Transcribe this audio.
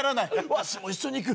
わしも一緒に行く。